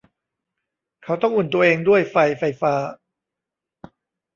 เขาต้องอุ่นตัวเองด้วยไฟไฟฟ้า